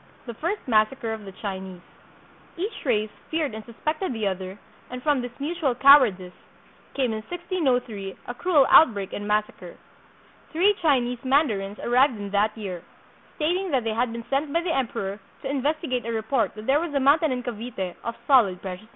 The First Massacre of the Chinese Each race feared and suspected the other, and from this mutual cowardice came in 1603 a cruel outbreak and massacre. Three Chi nese mandarins arrived in that year, stating that they had been sent by the emperor to investigate a report that there was a mountain in Cavite of solid precious metal.